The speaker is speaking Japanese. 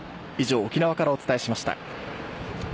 以上、沖縄からお伝えしました。